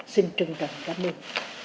xin trân trọng cảm ơn